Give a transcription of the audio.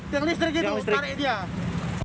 tiang listrik itu tarik dia